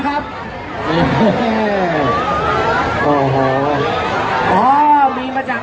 ขอบคุณมากนะคะแล้วก็แถวนี้ยังมีชาติของ